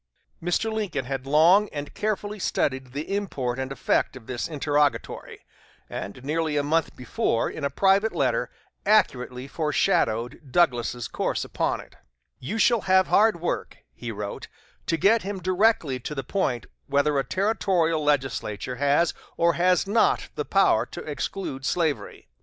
Mr. Lincoln had long and carefully studied the import and effect of this interrogatory, and nearly a month before, in a private letter, accurately foreshadowed Douglas's course upon it: "You shall have hard work," he wrote, "to get him directly to the point whether a territorial legislature has or has not the power to exclude slavery.